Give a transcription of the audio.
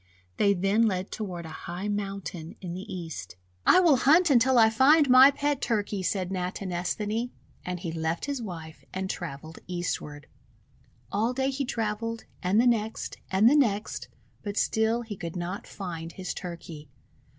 They then led toward a high mountain in the East. 'I will hunt until I find my pet Turkey," said Natinesthani, and he left his wife and travelled eastward. All day he travelled, and the next, and the next, but still he could not find his Turkey.